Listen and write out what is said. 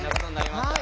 はい。